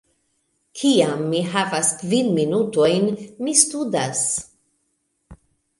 Kiam mi havas kvin minutojn, mi studas